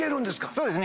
そうですね。